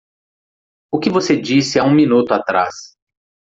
O que você disse há um minuto atrás?